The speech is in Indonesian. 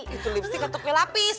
itu lipstick ketuknya lapis